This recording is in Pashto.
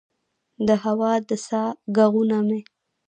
د هوا د سا ه ږغونه مې